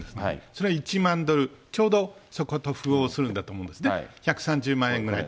それは１万ドル、ちょうどそこと符合すると思うんですね、１３０万円ぐらい。